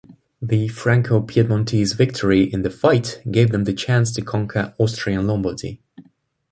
The Franco-Piedmontese victory in the fight gave them the chance to conquer Austrian Lombardy.